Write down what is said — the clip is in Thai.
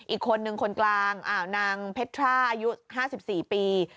อีกคนนึงคนกลางนางเพชรทราอายุ๕๔ปี